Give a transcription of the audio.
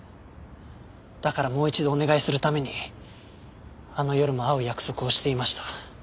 だからもう一度お願いするためにあの夜も会う約束をしていました。